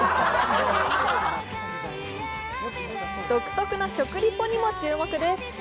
独特の食リポにも注目です。